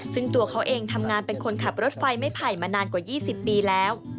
ซึ่งตัวเขาเองทำงานเป็นคนขับรถไฟไม่ไผ่มานานกว่า๒๐ปีแล้ว